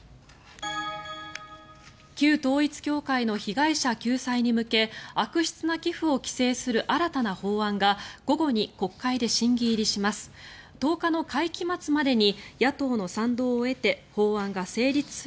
旧統一教会の被害者救済に向け悪質な寄付を規制する新たな法案が午後に国会で審議入りします。